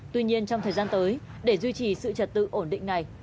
tuy nhiên trong thời gian tới để duy trì sự trật tự ổn định này